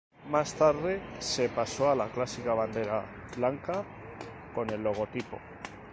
Más tarde se pasó a la clásica bandera blanca con el logotipo.